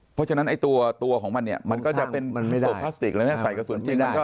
เพราะฉะนั้นตัวของมันเนี่ยมันก็จะเป็นพลาสติกใส่กระสุนจริงมันก็